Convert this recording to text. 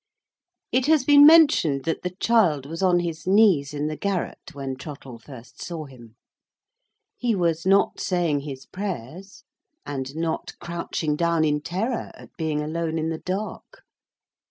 It has been mentioned that the child was on his knees in the garret, when Trottle first saw him. He was not saying his prayers, and not crouching down in terror at being alone in the dark.